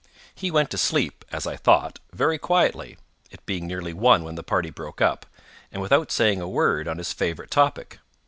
He went to sleep, as I thought, very quietly (it being near one when the party broke up), and without saying a word on his favorite topic.